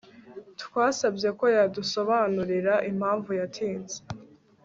Twasabye ko yadusobanurira impamvu yatinze